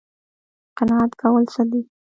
قناعت کول څه دي؟